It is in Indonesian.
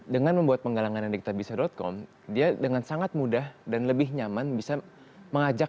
dengan membuat penggalangan yang diktabisa com dia dengan sangat mudah dan lebih nyaman bisa mengajak